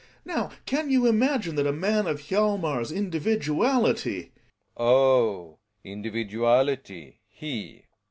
Now, can you imagine that a man of Hjalmar's individuality Relling. Oh! Individuality — he!